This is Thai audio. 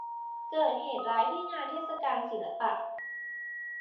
เกิดเหตุร้ายที่งานเทศกาลศิลปะ